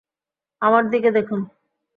আমার দিকে দেখুন।